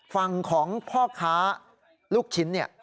ฝั่งของพ่อค้าลูกชิ้น